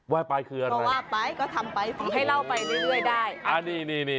ว่าไปคืออะไรว่าไปก็ทำไปให้เล่าไปเรื่อยได้